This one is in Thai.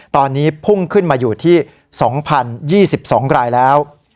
ตอนนี้พุ่งขึ้นมาอยู่ที่๒๐๒๒รายแล้ว